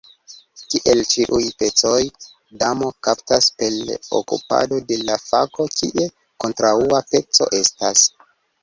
Kiel ĉiuj pecoj, damo kaptas per okupado de la fako, kie kontraŭa peco estas.